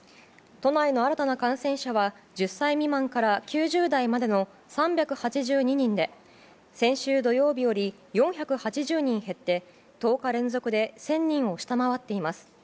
都内の新たな感染者は１０歳未満から９０代までの３８２人で先週土曜日より４８０人減って１０日連続で１０００人を下回っています。